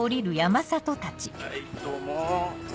はいどうも。